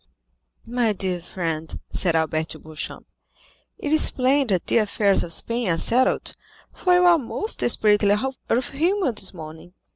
"My dear friend," said Albert to Beauchamp, "it is plain that the affairs of Spain are settled, for you are most desperately out of humor this morning.